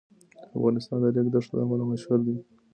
افغانستان د ریګ دښتو له امله مشهور دی.